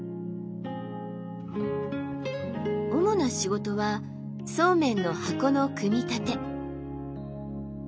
主な仕事はそうめんの箱の組み立て。